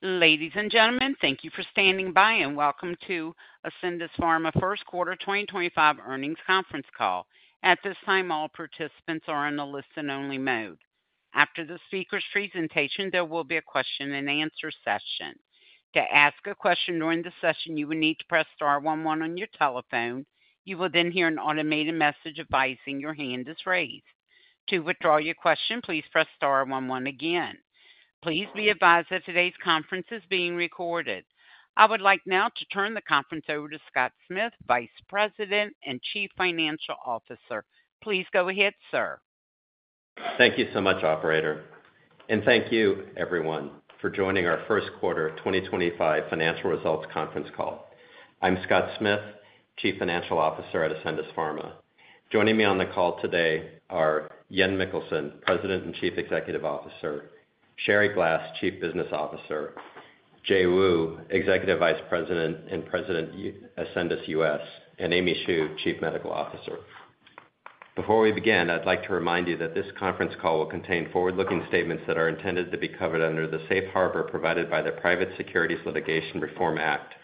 Ladies and gentlemen, thank you for standing by and welcome to Ascendis Pharma First Quarter 2025 earnings conference call. At this time, all participants are in a listen-only mode. After the speaker's presentation, there will be a question-and-answer session. To ask a question during the session, you will need to press star one one on your telephone. You will then hear an automated message advising your hand is raised. To withdraw your question, please press star one one again. Please be advised that today's conference is being recorded. I would like now to turn the conference over to Scott Smith, Vice President and Chief Financial Officer. Please go ahead, sir. Thank you so much, Operator. Thank you, everyone, for joining our First Quarter 2025 financial results conference call. I'm Scott Smith, Chief Financial Officer at Ascendis Pharma. Joining me on the call today are Jan Mikkelsen, President and Chief Executive Officer; Sherrie Glass, Chief Business Officer; Jay Wu, Executive Vice President and President Ascendis US; and Aimee Shu, Chief Medical Officer. Before we begin, I'd like to remind you that this conference call will contain forward-looking statements that are intended to be covered under the safe harbor provided by the Private Securities Litigation Reform Act.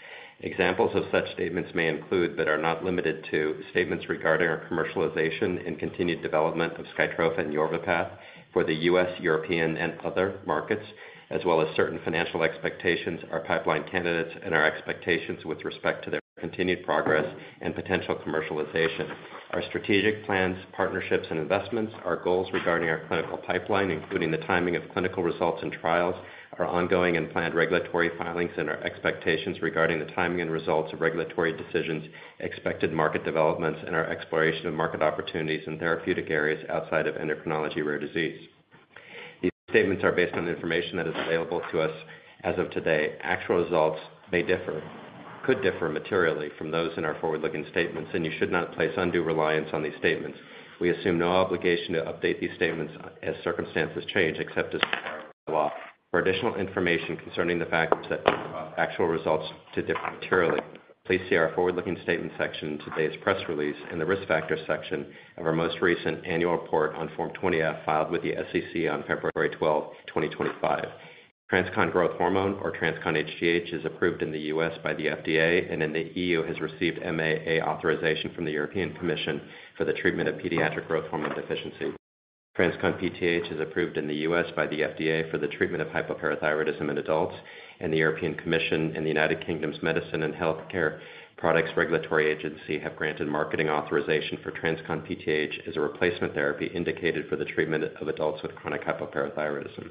Examples of such statements may include, but are not limited to, statements regarding our commercialization and continued development of Skytrofa and Yorvipath for the US, European, and other markets, as well as certain financial expectations, our pipeline candidates, and our expectations with respect to their continued progress and potential commercialization. Our strategic plans, partnerships, and investments, our goals regarding our clinical pipeline, including the timing of clinical results and trials, our ongoing and planned regulatory filings, and our expectations regarding the timing and results of regulatory decisions, expected market developments, and our exploration of market opportunities in therapeutic areas outside of endocrinology rare disease. These statements are based on information that is available to us as of today. Actual results may differ, could differ materially from those in our forward-looking statements, and you should not place undue reliance on these statements. We assume no obligation to update these statements as circumstances change, except as required by law. For additional information concerning the facts that actual results differ materially, please see our forward-looking statement section in today's press release and the risk factor section of our most recent annual report on Form 20-F filed with the SEC on February 12, 2025. TransCon Growth Hormone, or TransCon hGH, is approved in the US by the FDA and in the EU has received MAA authorization from the European Commission for the treatment of pediatric growth hormone deficiency. TransCon PTH is approved in the US by the FDA for the treatment of hypoparathyroidism in adults, and the European Commission and the United Kingdom's Medicines and Healthcare Products Regulatory Agency have granted marketing authorization for TransCon PTH as a replacement therapy indicated for the treatment of adults with chronic hypoparathyroidism.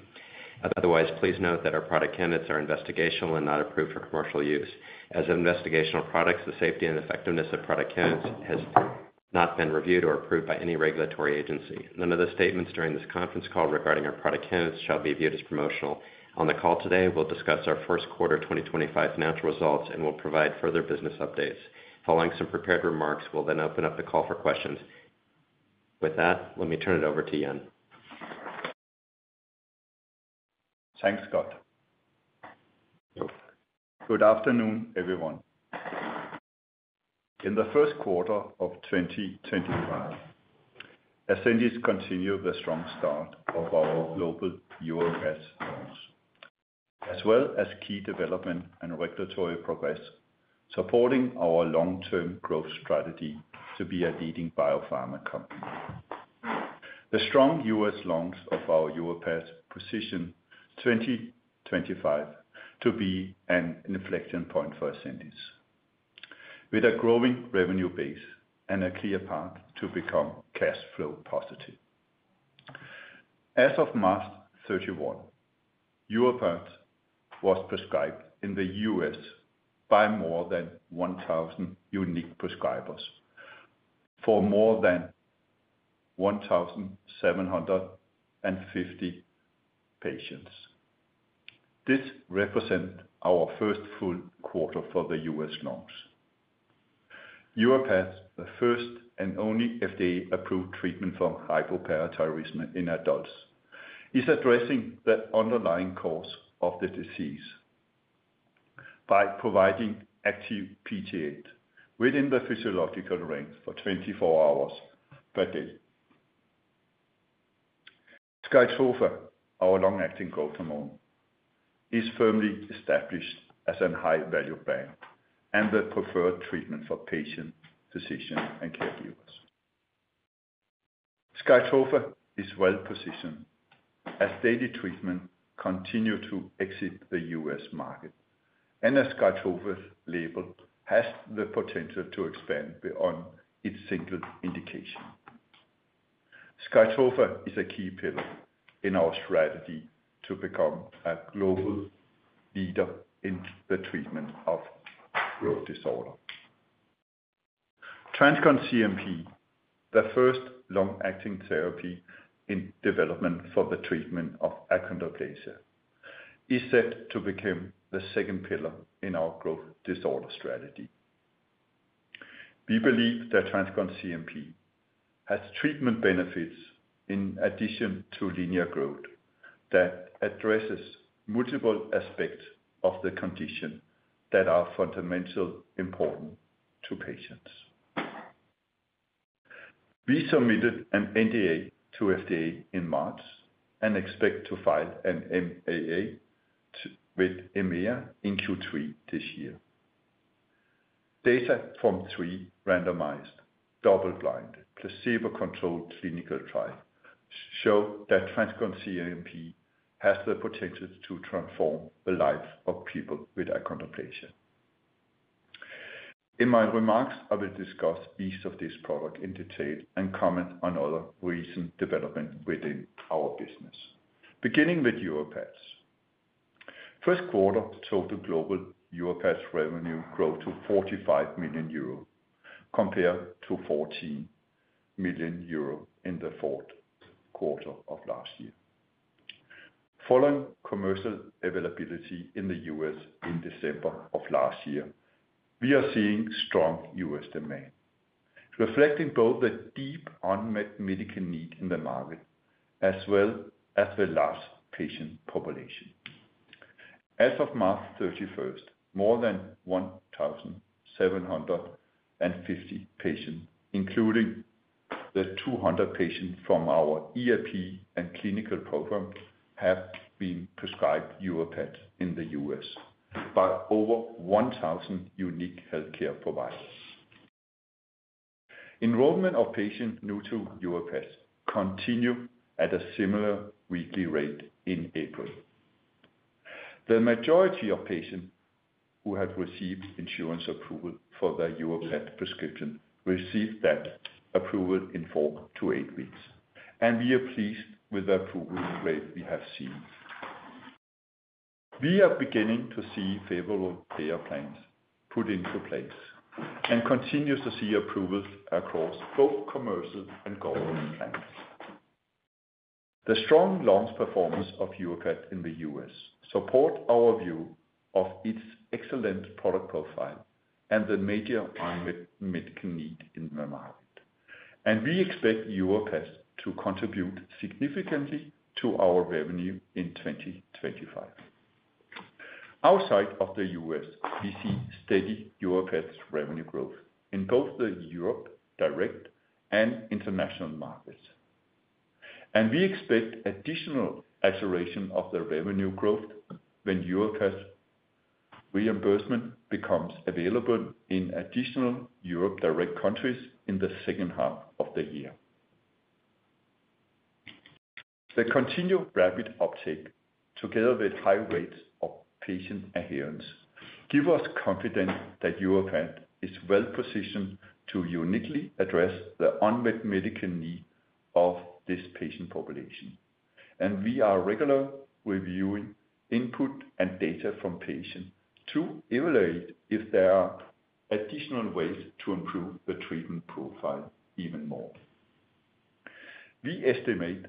Otherwise, please note that our product candidates are investigational and not approved for commercial use. As investigational products, the safety and effectiveness of product candidates has not been reviewed or approved by any regulatory agency. None of the statements during this conference call regarding our product candidates shall be viewed as promotional. On the call today, we'll discuss our first quarter 2025 financial results and will provide further business updates. Following some prepared remarks, we'll then open up the call for questions. With that, let me turn it over to Jan. Thanks, Scott. Good afternoon, everyone. In the first quarter of 2025, Ascendis continued the strong start of our global Yorvipath launch, as well as key development and regulatory progress supporting our long-term growth strategy to be a leading biopharma company. The strong US launch of our Yorvipath positions 2025 to be an inflection point for Ascendis, with a growing revenue base and a clear path to become cash flow positive. As of March 31, Yorvipath was prescribed in the US by more than 1,000 unique prescribers for more than 1,750 patients. This represents our first full quarter for the US launch. Yorvipath, first and only FDA-approved treatment for hypoparathyroidism in adults, is addressing the underlying cause of the disease by providing active PTH within the physiological range for 24 hours per day. Skytrofa, our long-acting growth hormone, is firmly established as a high-value brand and the preferred treatment for patients, physicians, and caregivers. Skytrofa is well-positioned as daily treatment continues to exit the US market, and a Skytrofa label has the potential to expand beyond its single indication. Skytrofa is a key pillar in our strategy to become a global leader in the treatment of growth disorder. TransCon CNP, the first long-acting therapy in development for the treatment of achondroplasia, is set to become the second pillar in our growth disorder strategy. We believe that TransCon CNP has treatment benefits in addition to linear growth that addresses multiple aspects of the condition that are fundamentally important to patients. We submitted an NDA to FDA in March and expect to file an MAA with the European Commission in Q3 this year. Data from three randomized double-blind placebo-controlled clinical trials show that TransCon CNP has the potential to transform the lives of people with achondroplasia. In my remarks, I will discuss each of these products in detail and comment on other recent developments within our business. Beginning with Yorvipath, first quarter total global Yorvipath revenue grew to 45 million euro compared to 14 million euro in the fourth quarter of last year. Following commercial availability in the US in December of last year, we are seeing strong US demand, reflecting both the deep unmet medical need in the market as well as the large patient population. As of March 31, more than 1,750 patients, including the 200 patients from our ERP and clinical program, have been prescribed Yorvipath in the US by over 1,000 unique healthcare providers. Enrollment of patients new to Yorvipath continued at a similar weekly rate in April. The majority of patients who have received insurance approval for their Yorvipath prescription received that approval in four to eight weeks, and we are pleased with the approval rate we have seen. We are beginning to see favorable payer plans put into place and continue to see approvals across both commercial and government plans. The strong launch performance of Yorvipath in the US supports our view of its excellent product profile and the major unmet need in the market, and we expect Yorvipath to contribute significantly to our revenue in 2025. Outside of the US, we see steady Yorvipath revenue growth in both the Europe direct and international markets, and we expect additional acceleration of the revenue growth when Yorvipath reimbursement becomes available in additional Europe direct countries in the second half of the year. The continued rapid uptake, together with high rates of patient adherence, gives us confidence that Yorvipath is well-positioned to uniquely address the unmet medical need of this patient population, and we are regularly reviewing input and data from patients to evaluate if there are additional ways to improve the treatment profile even more. We estimate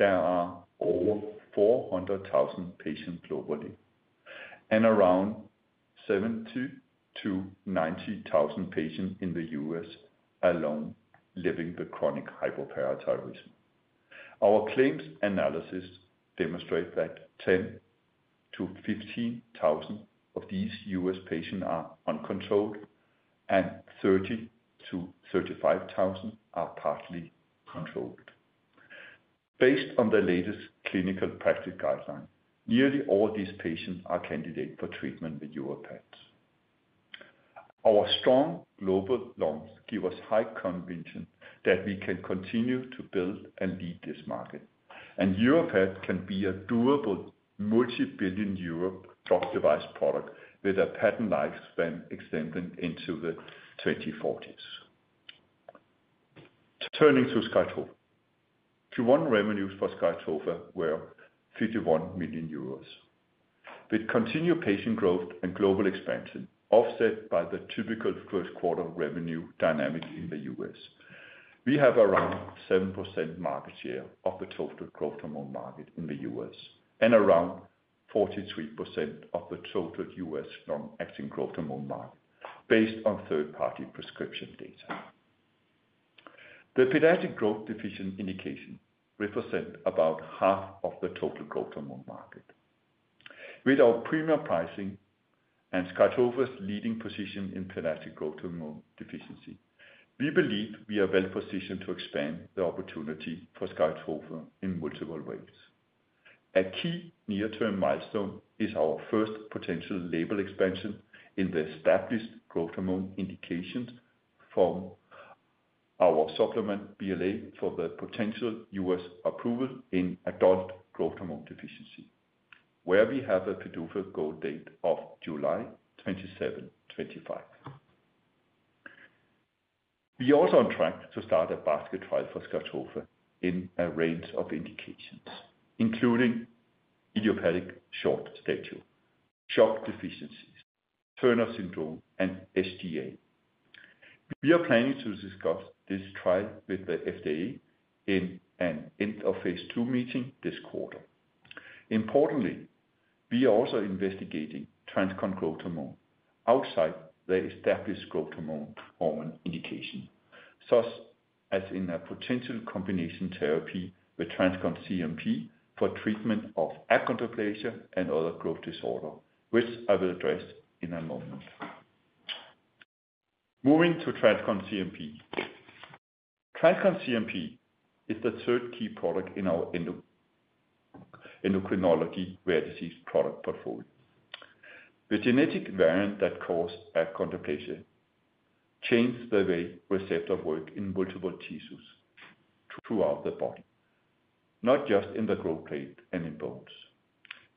there are over 400,000 patients globally and around 70,000-90,000 patients in the US alone living with chronic hypoparathyroidism. Our claims analysis demonstrates that 10,000-15,000 of these US patients are uncontrolled and 30,000-35,000 are partly controlled. Based on the latest clinical practice guidelines, nearly all these patients are candidates for treatment with Yorvipath. Our strong global launch gives us high conviction that we can continue to build and lead this market, and Yorvipath can be a durable multi-billion EUR drug device product with a patent lifespan extending into the 2040s. Turning to Skytrofa, Q1 revenues for Skytrofa were 51 million euros. With continued patient growth and global expansion offset by the typical first quarter revenue dynamic in the U.S., we have around 7% market share of the total growth hormone market in the U.S. and around 43% of the total U.S. long-acting growth hormone market based on third-party prescription data. The pediatric growth deficiency indication represents about half of the total growth hormone market. With our premium pricing and Skytrofa's leading position in pediatric growth hormone deficiency, we believe we are well-positioned to expand the opportunity for Skytrofa in multiple ways. A key near-term milestone is our first potential label expansion in the established growth hormone indications from our supplement BLA for the potential U.S. approval in adult growth hormone deficiency, where we have a PDUFA goal date of July 27, 2025. We are also on track to start a basket trial for Skytrofa in a range of indications, including idiopathic short stature, shock deficiencies, Turner syndrome, and SGA. We are planning to discuss this trial with the FDA in an end-of-phase two meeting this quarter. Importantly, we are also investigating TransCon Growth Hormone outside the established growth hormone indication, such as in a potential combination therapy with TransCon CNP for treatment of achondroplasia and other growth disorders, which I will address in a moment. Moving to TransCon CNP, TransCon CNP is the third key product in our endocrinology rare disease product portfolio. The genetic variant that causes achondroplasia changes the way receptors work in multiple tissues throughout the body, not just in the growth plate and in bones,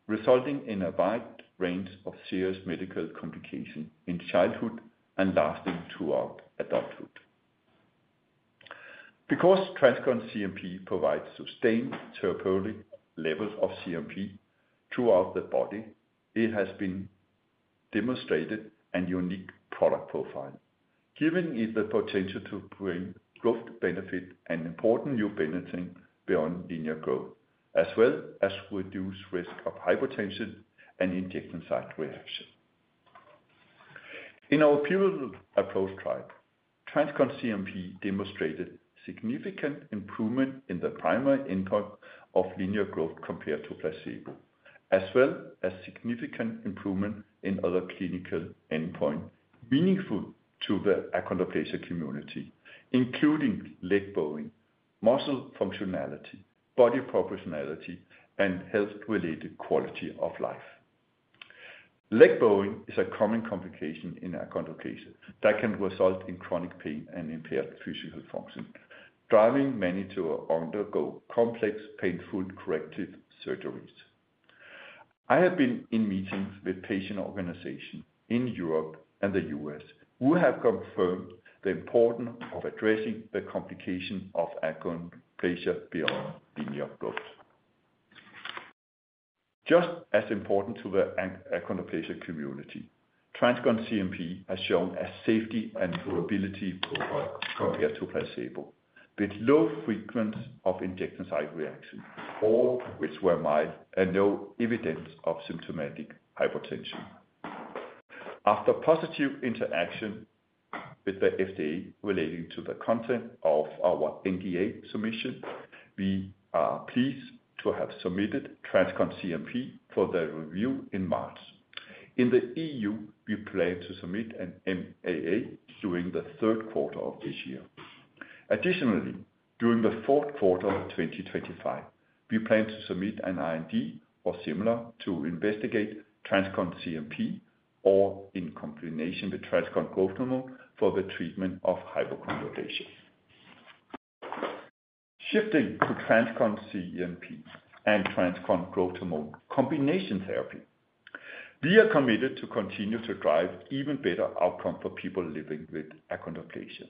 resulting in a wide range of serious medical complications in childhood and lasting throughout adulthood. Because TransCon CNP provides sustained tertiary levels of CNP throughout the body, it has demonstrated a unique product profile, giving it the potential to bring growth benefits and important new benefits beyond linear growth, as well as reduce the risk of hypertension and injection site reaction. In our pivotal approach trial, TransCon CNP demonstrated significant improvement in the primary endpoint of linear growth compared to placebo, as well as significant improvement in other clinical endpoints meaningful to the achondroplasia community, including leg bowing, muscle functionality, body proportionality, and health-related quality of life. Leg bowing is a common complication in achondroplasia that can result in chronic pain and impaired physical function, driving many to undergo complex, painful corrective surgeries. I have been in meetings with patient organizations in Europe and the US who have confirmed the importance of addressing the complications of achondroplasia beyond linear growth. Just as important to the achondroplasia community, TransCon CNP has shown a safety and durability profile compared to placebo, with low frequency of injection site reactions, all of which were mild and no evidence of symptomatic hypertension. After positive interaction with the FDA relating to the content of our NDA submission, we are pleased to have submitted TransCon CNP for their review in March. In the EU, we plan to submit an MAA during the third quarter of this year. Additionally, during the fourth quarter of 2025, we plan to submit an IND or similar to investigate TransCon CNP or in combination with TransCon Growth Hormone for the treatment of hypoparathyroidism. Shifting to TransCon CNP and TransCon Growth Hormone combination therapy, we are committed to continue to drive even better outcomes for people living with achondroplasia.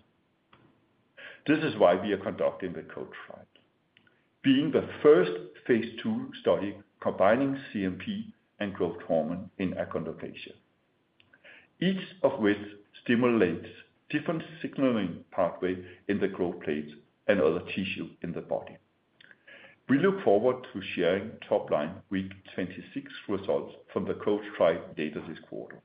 This is why we are conducting the co-trial, being the first phase two study combining CNP and growth hormone in achondroplasia, each of which stimulates different signaling pathways in the growth plate and other tissues in the body. We look forward to sharing top-line week 26 results from the co-trial data this quarter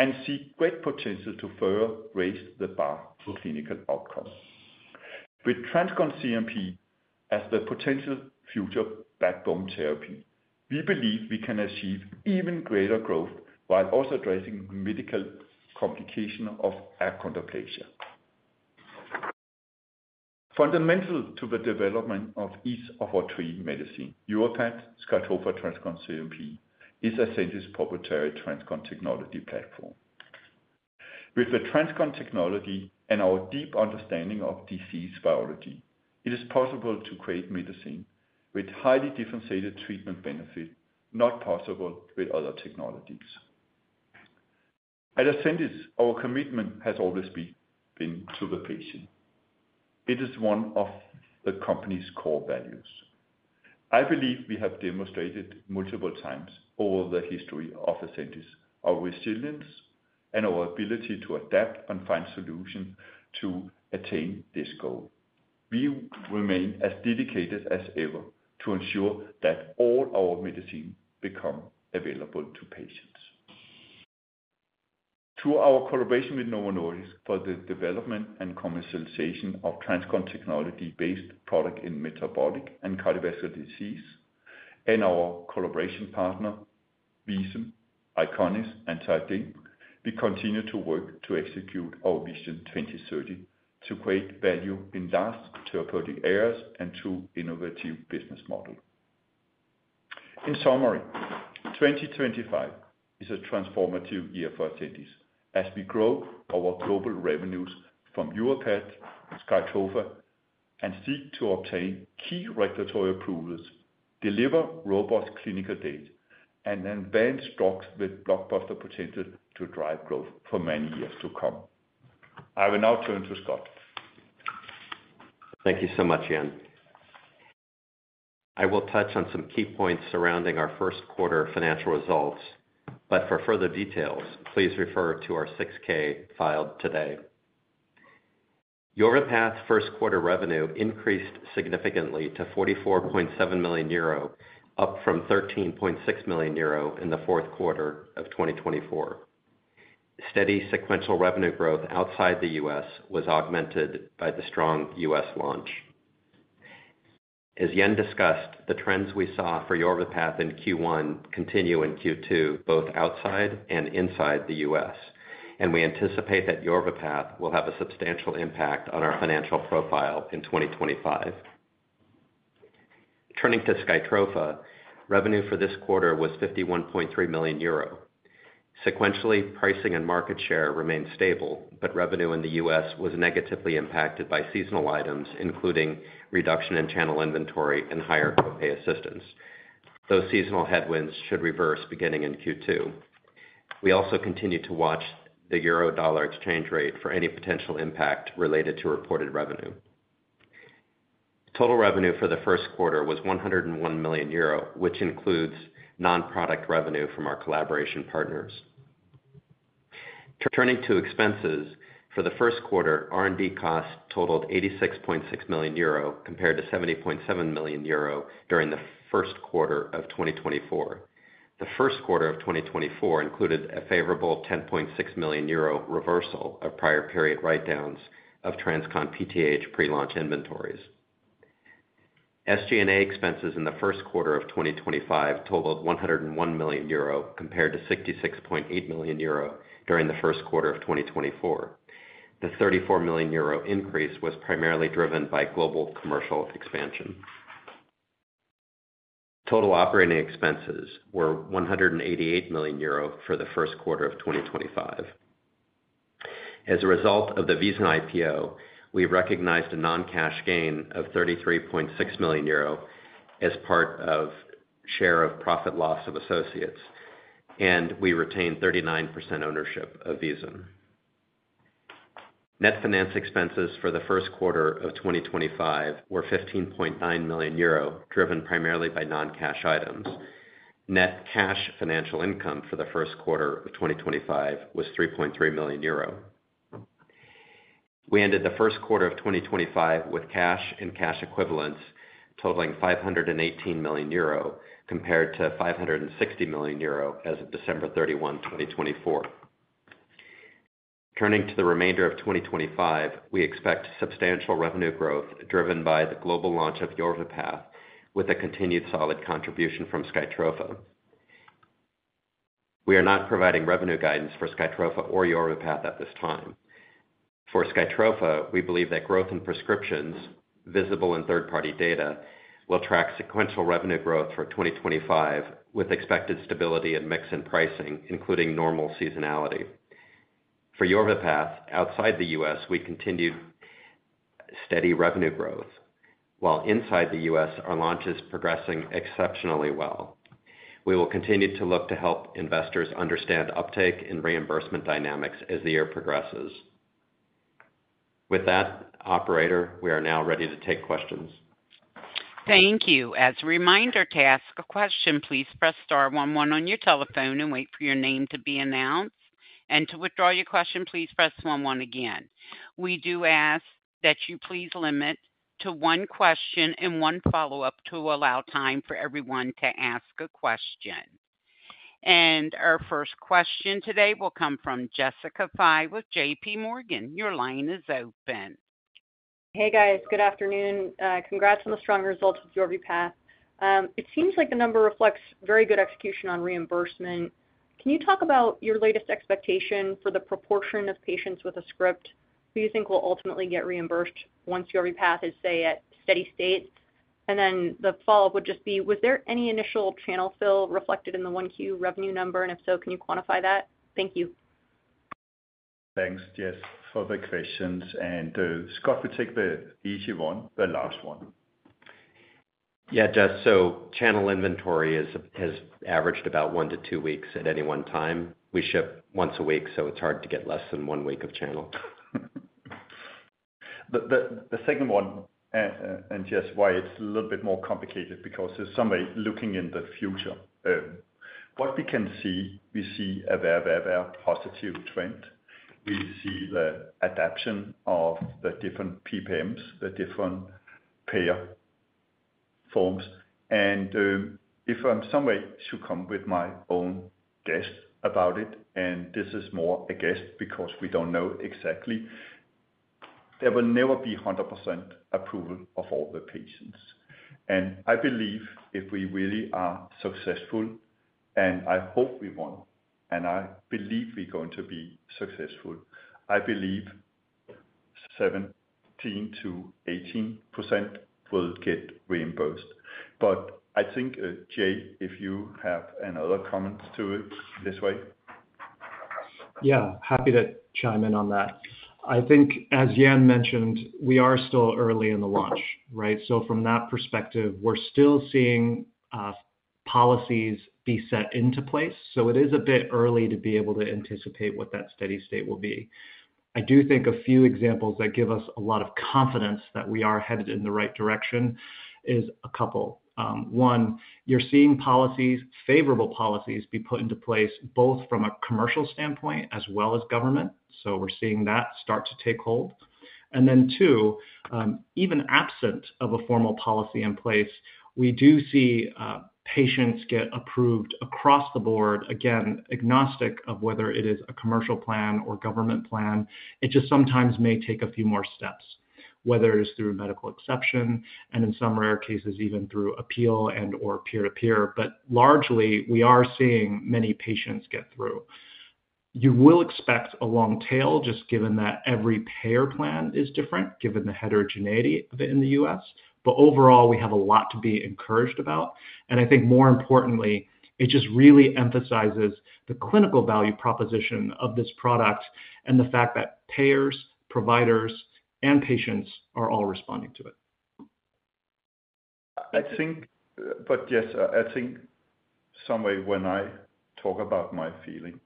and see great potential to further raise the bar for clinical outcomes. With TransCon CNP as the potential future backbone therapy, we believe we can achieve even greater growth while also addressing medical complications of achondroplasia. Fundamental to the development of each of our three medicines, Yorvipath, Skytrofa, and TransCon CNP, is Ascendis Pharma's proprietary TransCon technology platform. With the TransCon technology and our deep understanding of disease biology, it is possible to create medicine with highly differentiated treatment benefits not possible with other technologies. At Ascendis Pharma, our commitment has always been to the patient. It is one of the company's core values. I believe we have demonstrated multiple times over the history of Ascendis Pharma our resilience and our ability to adapt and find solutions to attain this goal. We remain as dedicated as ever to ensure that all our medicines become available to patients. Through our collaboration with Novo Nordisk for the development and commercialization of TransCon technology-based products in metabolic and cardiovascular disease, and our collaboration partners Vism, Iconis, and Tydin, we continue to work to execute our Vision 2030 to create value in large tertiary areas and through an innovative business model. In summary, 2025 is a transformative year for Ascendis Pharma as we grow our global revenues from Yorvipath, Skytrofa, and seek to obtain key regulatory approvals, deliver robust clinical data, and advance drugs with blockbuster potential to drive growth for many years to come. I will now turn to Scott. Thank you so much, Jan. I will touch on some key points surrounding our first quarter financial results, but for further details, please refer to our 6K filed today. Yorvipath’s first quarter revenue increased significantly to 44.7 million euro, up from 13.6 million euro in the fourth quarter of 2024. Steady sequential revenue growth outside the US was augmented by the strong US launch. As Jan discussed, the trends we saw for Yorvipath in Q1 continue in Q2, both outside and inside the US, and we anticipate that Yorvipath will have a substantial impact on our financial profile in 2025. Turning to Skytrofa, revenue for this quarter was 51.3 million euro. Sequentially, pricing and market share remained stable, but revenue in the US was negatively impacted by seasonal items, including reduction in channel inventory and higher copay assistance. Those seasonal headwinds should reverse beginning in Q2. We also continue to watch the EUR/USD exchange rate for any potential impact related to reported revenue. Total revenue for the first quarter was 101 million euro, which includes nonproduct revenue from our collaboration partners. Turning to expenses, for the first quarter, R&D costs totaled 86.6 million euro compared to 70.7 million euro during the first quarter of 2024. The first quarter of 2024 included a favorable 10.6 million euro reversal of prior period write-downs of TransCon PTH pre-launch inventories. SG&A expenses in the first quarter of 2025 totaled 101 million euro compared to 66.8 million euro during the first quarter of 2024. The 34 million euro increase was primarily driven by global commercial expansion. Total operating expenses were 188 million euro for the first quarter of 2025. As a result of the Vism IPO, we recognized a non-cash gain of 33.6 million euro as part of share of profit loss of associates, and we retained 39% ownership of Vism. Net finance expenses for the first quarter of 2025 were 15.9 million euro, driven primarily by non-cash items. Net cash financial income for the first quarter of 2025 was 3.3 million euro. We ended the first quarter of 2025 with cash and cash equivalents totaling 518 million euro compared to 560 million euro as of December 31, 2024. Turning to the remainder of 2025, we expect substantial revenue growth driven by the global launch of Yorvipath with a continued solid contribution from Skytrofa. We are not providing revenue guidance for Skytrofa or Yorvipath at this time. For Skytrofa, we believe that growth in prescriptions visible in third-party data will track sequential revenue growth for 2025 with expected stability in mix and pricing, including normal seasonality. For Yorvipath outside the U.S., we continued steady revenue growth, while inside the U.S., our launch is progressing exceptionally well. We will continue to look to help investors understand uptake and reimbursement dynamics as the year progresses. With that, operator, we are now ready to take questions. Thank you. As a reminder, to ask a question, please press star one one on your telephone and wait for your name to be announced. To withdraw your question, please press one one again. We do ask that you please limit to one question and one follow-up to allow time for everyone to ask a question. Our first question today will come from Jessica Fye with JPMorgan. Your line is open. Hey, guys. Good afternoon. Congrats on the strong results with Yorvipath. It seems like the number reflects very good execution on reimbursement. Can you talk about your latest expectation for the proportion of patients with a script who you think will ultimately get reimbursed once Yorvipath is, say, at steady state? The follow-up would just be, was there any initial channel fill reflected in the Q1 revenue number? If so, can you quantify that? Thank you. Thanks, Jess, for the questions. Scott, will take the easy one, the last one. Yeah, Jess, channel inventory has averaged about one to two weeks at any one time. We ship once a week, so it's hard to get less than one week of channel. The second one, Jess, why it's a little bit more complicated because there's somebody looking in the future. What we can see, we see a very, very, very positive trend. We see the adaption of the different PPMs, the different payer forms. If somebody should come with my own guess about it, and this is more a guess because we do not know exactly, there will never be 100% approval of all the patients. I believe if we really are successful, and I hope we won, and I believe we are going to be successful, I believe 17%-18% will get reimbursed. I think, Jay, if you have another comment to it this way. Yeah, happy to chime in on that. I think, as Jan mentioned, we are still early in the launch, right? From that perspective, we are still seeing policies be set into place. It is a bit early to be able to anticipate what that steady state will be. I do think a few examples that give us a lot of confidence that we are headed in the right direction is a couple. One, you're seeing policies, favorable policies be put into place both from a commercial standpoint as well as government. We are seeing that start to take hold. Two, even absent of a formal policy in place, we do see patients get approved across the board, again, agnostic of whether it is a commercial plan or government plan. It just sometimes may take a few more steps, whether it is through a medical exception and in some rare cases, even through appeal and/or peer-to-peer. Largely, we are seeing many patients get through. You will expect a long tail just given that every payer plan is different, given the heterogeneity in the US. Overall, we have a lot to be encouraged about. I think more importantly, it just really emphasizes the clinical value proposition of this product and the fact that payers, providers, and patients are all responding to it. I think, yes, I think someway when I talk about my feeling,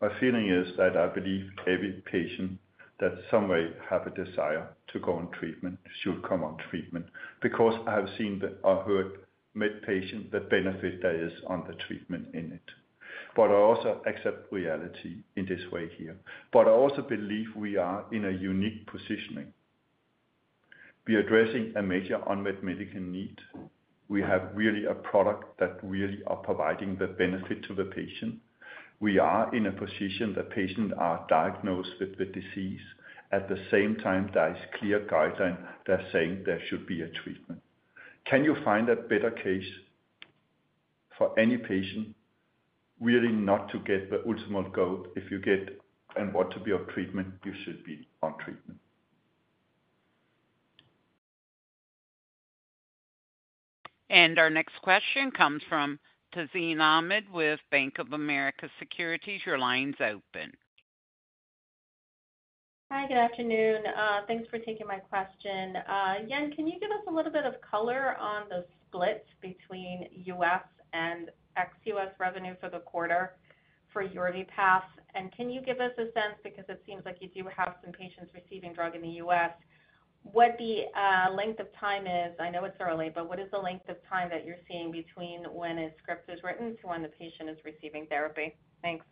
my feeling is that I believe every patient that someway have a desire to go on treatment should come on treatment because I have seen or heard mid-patient the benefit that is on the treatment in it. I also accept reality in this way here. I also believe we are in a unique position. We are addressing a major unmet medical need. We have really a product that really is providing the benefit to the patient. We are in a position that patients are diagnosed with the disease at the same time there is clear guideline that's saying there should be a treatment. Can you find a better case for any patient really not to get the ultimate goal? If you get an order to be on treatment, you should be on treatment. Our next question comes from Tazeen Ahmad with Bank of America Securities. Your line's open. Hi, good afternoon. Thanks for taking my question. Jan, can you give us a little bit of color on the split between US and ex-US revenue for the quarter for Yorvipath? Can you give us a sense because it seems like you do have some patients receiving drug in the US? What the length of time is? I know it's early, but what is the length of time that you're seeing between when a script is written to when the patient is receiving therapy? Thanks.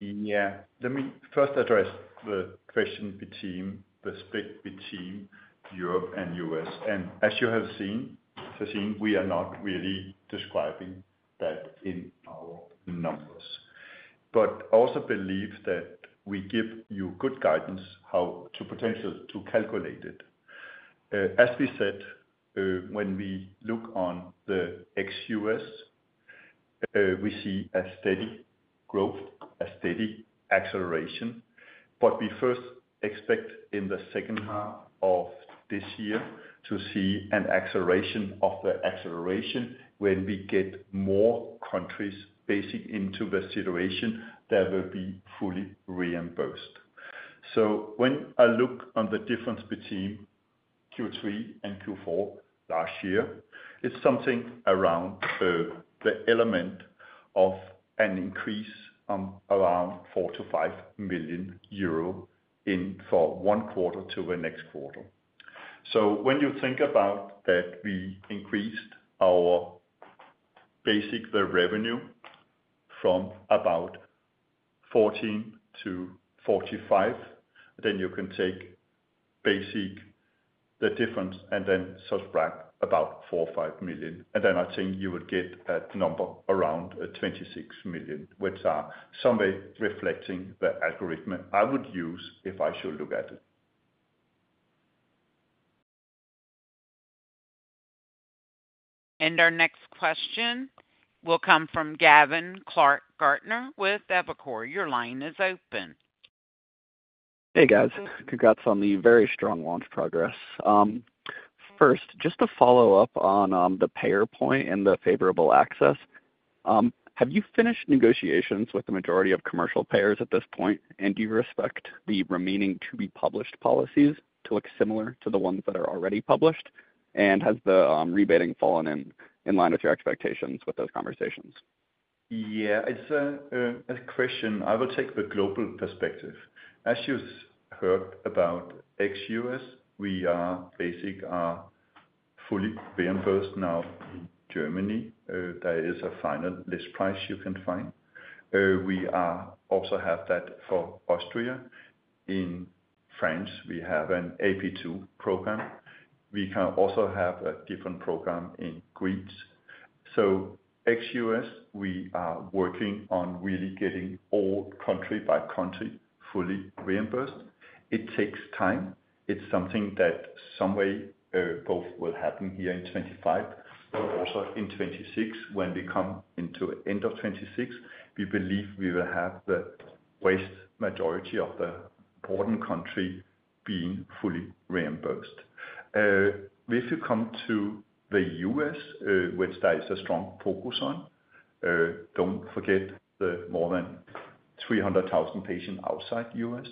Yeah. Let me first address the question between the split between Europe and US. As you have seen, we are not really describing that in our numbers. I also believe that we give you good guidance how to potentially calculate it. As we said, when we look on the ex-US, we see a steady growth, a steady acceleration. We first expect in the second half of this year to see an acceleration of the acceleration when we get more countries basically into the situation that will be fully reimbursed. When I look on the difference between Q3 and Q4 last year, it's something around the element of an increase of around 4 million-5 million euro in for one quarter to the next quarter. When you think about that, we increased our basic revenue from about 14 million to 45 million, then you can take basic the difference and then subtract about 4 million, 5 million. I think you would get a number around 26 million, which are someway reflecting the algorithm I would use if I should look at it. Our next question will come from Gavin Clark-Gartner with Evercore. Your line is open. Hey, guys. Congrats on the very strong launch progress. First, just to follow up on the payer point and the favorable access, have you finished negotiations with the majority of commercial payers at this point? Do you expect the remaining to-be-published policies to look similar to the ones that are already published? Has the rebating fallen in line with your expectations with those conversations? Yeah, it's a question. I will take the global perspective. As you heard about ex-U.S., we are basically fully reimbursed now in Germany. There is a final list price you can find. We also have that for Austria. In France, we have an AP2 program. We can also have a different program in Greece. Ex-US, we are working on really getting all country by country fully reimbursed. It takes time. It is something that someway both will happen here in 2025, but also in 2026 when we come into the end of 2026, we believe we will have the vast majority of the important country being fully reimbursed. If you come to the US, which there is a strong focus on, do not forget the more than 300,000 patients outside the US.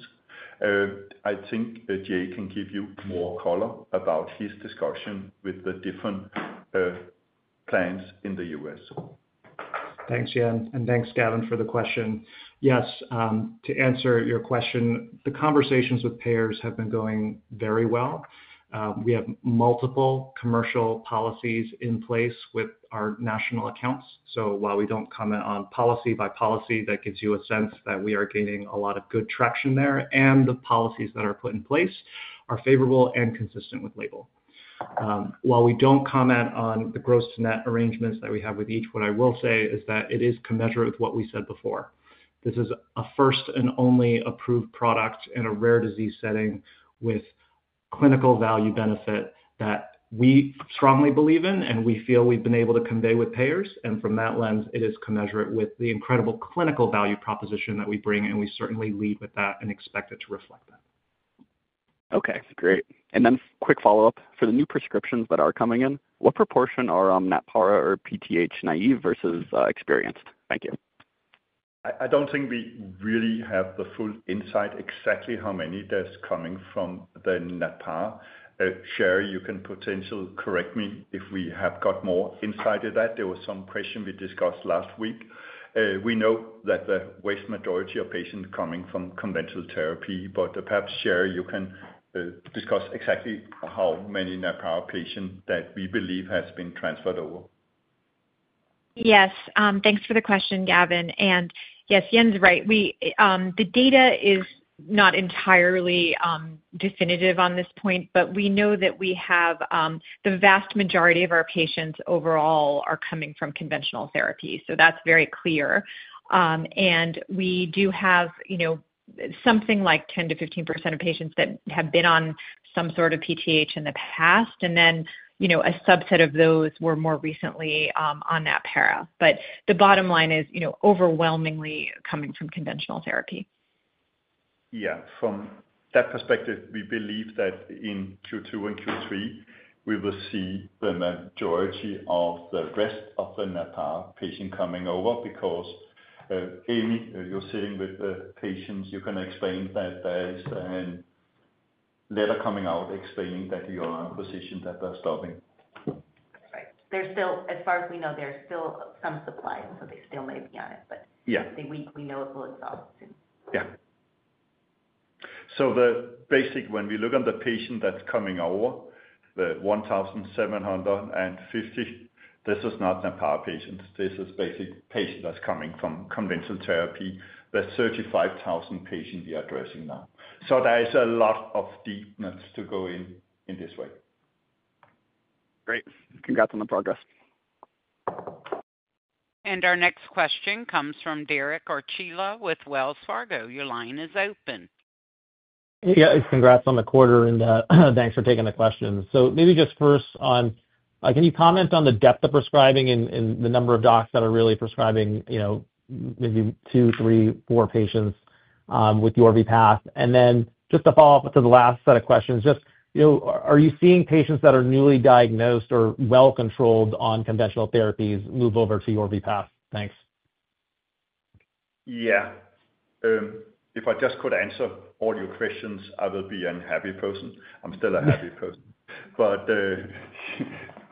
I think Jay can give you more color about his discussion with the different plans in the US. Thanks, Jan. Thanks, Gavin, for the question. Yes, to answer your question, the conversations with payers have been going very well. We have multiple commercial policies in place with our national accounts. While we do not comment on policy by policy, that gives you a sense that we are gaining a lot of good traction there. The policies that are put in place are favorable and consistent with label. While we do not comment on the gross to net arrangements that we have with each, what I will say is that it is commensurate with what we said before. This is a first and only approved product in a rare disease setting with clinical value benefit that we strongly believe in and we feel we have been able to convey with payers. From that lens, it is commensurate with the incredible clinical value proposition that we bring. We certainly lead with that and expect it to reflect that. Okay, great. Quick follow-up. For the new prescriptions that are coming in, what proportion are Natpara or PTH naive versus experienced? Thank you. I don't think we really have the full insight exactly how many that's coming from the Natpara. Sherrie, you can potentially correct me if we have got more insight in that. There was some question we discussed last week. We know that the vast majority of patients are coming from conventional therapy. Perhaps, Sherrie, you can discuss exactly how many Natpara patients that we believe have been transferred over. Yes. Thanks for the question, Gavin. Yes, Jan's right. The data is not entirely definitive on this point, but we know that we have the vast majority of our patients overall are coming from conventional therapy. That is very clear. We do have something like 10%-15% of patients that have been on some sort of PTH in the past. A subset of those were more recently on Natpara. The bottom line is overwhelmingly coming from conventional therapy. Yeah. From that perspective, we believe that in Q2 and Q3, we will see the majority of the rest of the Natpara patients coming over because you're sitting with the patients. You can explain that there is a letter coming out explaining that you are in a position that they're stopping. Right. As far as we know, there's still some supply. They still may be on it. We know it will exhaust soon. Yeah. When we look on the patient that's coming over, the 1,750, this is not Natpara patients. This is basically patients that's coming from conventional therapy. There are 35,000 patients we are addressing now. There is a lot of deepness to go in this way. Great. Congrats on the progress. Our next question comes from Derek Archila with Wells Fargo. Your line is open. Yeah, it's congrats on the quarter. Thanks for taking the question. Maybe just first on, can you comment on the depth of prescribing and the number of docs that are really prescribing maybe two, three, four patients with Yorvipath? Just to follow up to the last set of questions, are you seeing patients that are newly diagnosed or well-controlled on conventional therapies move over to Yorvipath? Thanks. Yeah. If I just could answer all your questions, I will be a happy person. I'm still a happy person.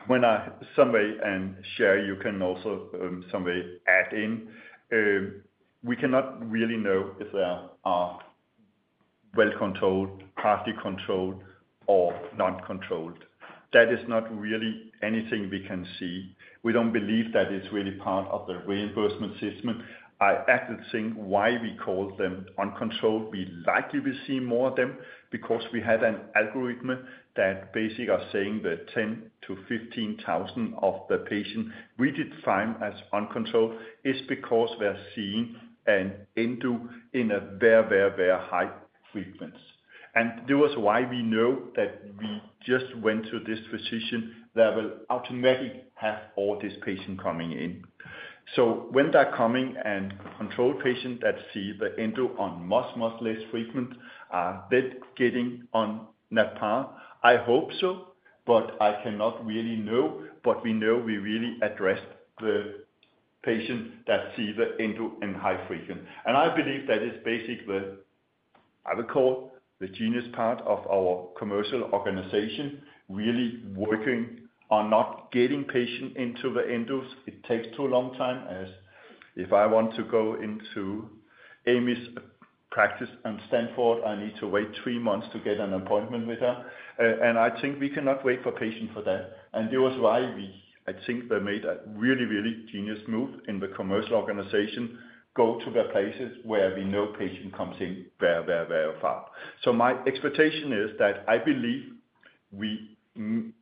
When I someway, and Sherrie, you can also someway add in, we cannot really know if they are well-controlled, partly controlled, or not controlled. That is not really anything we can see. We do not believe that it's really part of the reimbursement system. I actually think why we call them uncontrolled, we likely will see more of them because we had an algorithm that basically are saying the 10,000-15,000 of the patients we did find as uncontrolled is because we're seeing an endo in a very, very, very high frequency. There was why we know that we just went to this physician that will automatically have all these patients coming in. When they're coming and controlled patients that see the endo on much, much less frequent, are they getting on Natpara? I hope so, but I cannot really know. We know we really addressed the patients that see the endo in high frequency. I believe that is basically the, I would call it the genius part of our commercial organization really working on not getting patients into the endos. It takes too long time. If I want to go into Aimee's practice on Stanford, I need to wait three months to get an appointment with her. I think we cannot wait for patients for that. That was why we, I think they made a really, really genius move in the commercial organization to go to the places where we know patients come in very, very, very far. My expectation is that I believe we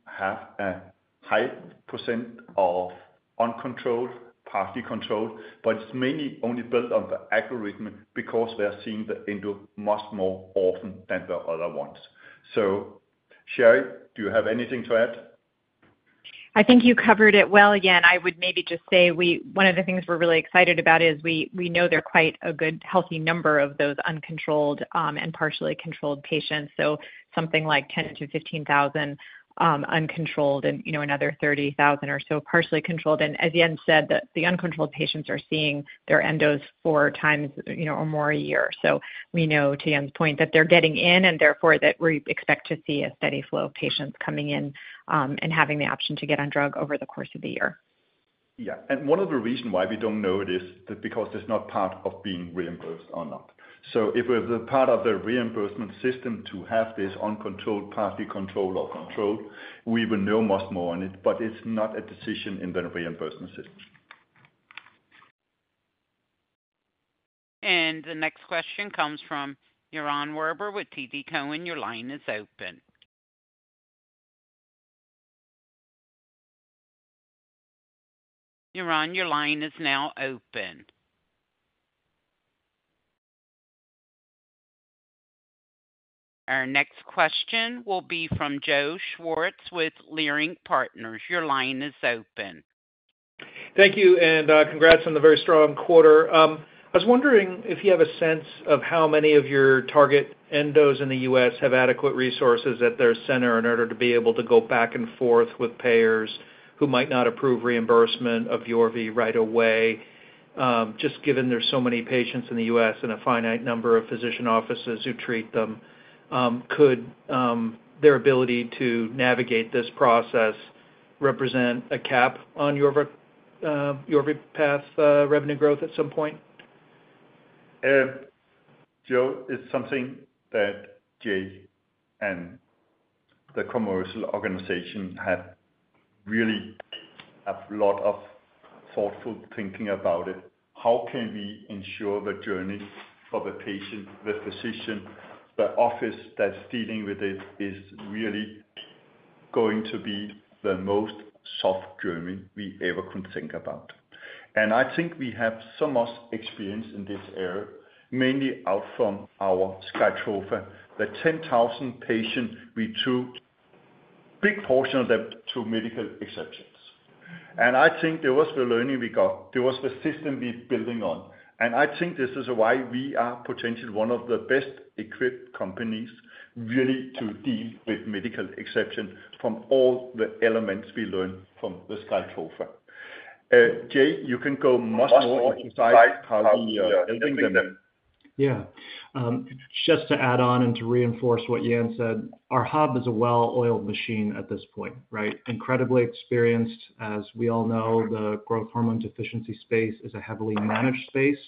have a high percent of uncontrolled, partly controlled, but it is mainly only built on the algorithm because we are seeing the endo much more often than the other ones. Sherrie, do you have anything to add? I think you covered it well. I would maybe just say one of the things we are really excited about is we know there are quite a good healthy number of those uncontrolled and partially controlled patients. Something like 10,000-15,000 uncontrolled and another 30,000 or so partially controlled. As Jan said, the uncontrolled patients are seeing their endos four times or more a year. We know to Jan's point that they're getting in and therefore that we expect to see a steady flow of patients coming in and having the option to get on drug over the course of the year. One of the reasons why we do not know it is because it is not part of being reimbursed or not. If it was a part of the reimbursement system to have this uncontrolled, partly controlled, or controlled, we would know much more on it, but it is not a decision in the reimbursement system. The next question comes from Yaron Werber with TD Cowen. Your line is open. Yoran, your line is now open. Our next question will be from Joe Schwartz with Leerink Partners. Your line is open. Thank you. And congrats on the very strong quarter. I was wondering if you have a sense of how many of your target endos in the US have adequate resources at their center in order to be able to go back and forth with payers who might not approve reimbursement of Yorvipath right away. Just given there are so many patients in the US and a finite number of physician offices who treat them, could their ability to navigate this process represent a cap on Yorvipath revenue growth at some point? Joe, it is something that Jay and the commercial organization have really a lot of thoughtful thinking about it. How can we ensure the journey for the patient, the physician, the office that's dealing with it is really going to be the most soft journey we ever could think about? I think we have so much experience in this area, mainly out from our Skytrofa, the 10,000 patients we took. Big portion of them to medical exceptions. I think there was the learning we got. There was the system we're building on. I think this is why we are potentially one of the best-equipped companies really to deal with medical exceptions from all the elements we learned from the Skytrofa. Jay, you can go much more into how we are helping them. Yeah. Just to add on and to reinforce what Jan said, our hub is a well-oiled machine at this point, right? Incredibly experienced, as we all know, the growth hormone deficiency space is a heavily managed space.